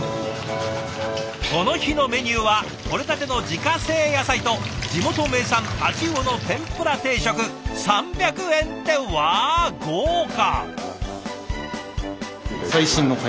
この日のメニューはとれたての自家製野菜と地元名産太刀魚の天ぷら定食３００円ってわ豪華！